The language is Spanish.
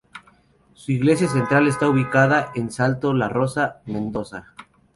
Su iglesia Central está ubicada en Salto Larrosa, Mendoza.